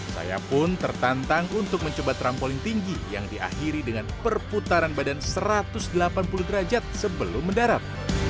saya pun tertantang untuk mencoba trampolin tinggi yang diakhiri dengan perputaran badan satu ratus delapan puluh derajat sebelum mendarat